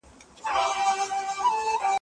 نوی نسل بايد د تاريخ په هنداره کي خپل ځان وګوري.